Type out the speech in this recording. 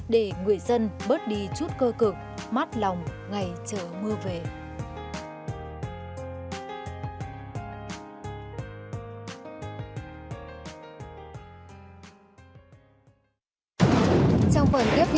để người dân bớt đi chút cơ cực mát lòng ngày chờ mưa về